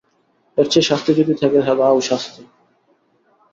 এর চেয়ে শাস্তি যদি থাকে, দাও শাস্তি।